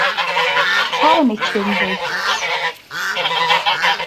Ich habe nichts gegen Wildwuchs.